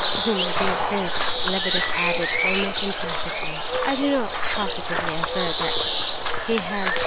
Oh, my dear prince," Lebedeff added most emphatically, "I do not positively assert that he has...